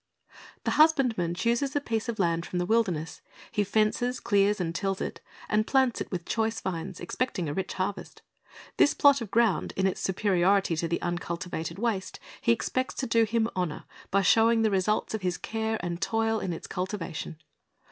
' The husbandman chooses a piece of land from the wilderness; he fences, clears, and tills it, and plants it with choice vines, expecting a rich harvest. This plot of ground, in its superiority to the uncultivated waste, he expects to do him honor by showing the results of his care and toil in its cultivation.